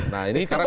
nah ini sekarang